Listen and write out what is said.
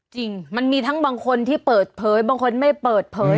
จริงมันมีทั้งบางคนที่เปิดเผยบางคนไม่เปิดเผย